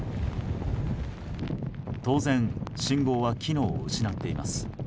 当然、信号は機能を失っています。